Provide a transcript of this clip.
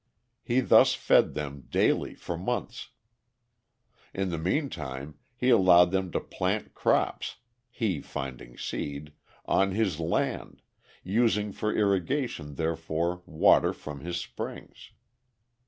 He thus fed them, daily, for months. In the mean time, he allowed them to plant crops (he finding seed) on his land, using for irrigation therefor water from his springs.